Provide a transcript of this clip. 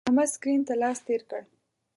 احمد سکرین ته لاس تیر کړ.